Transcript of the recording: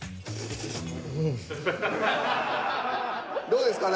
どうですか？